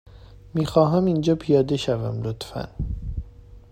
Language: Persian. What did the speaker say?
می خواهم اینجا پیاده شوم، لطفا.